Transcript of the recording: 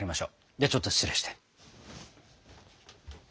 ではちょっと失礼して。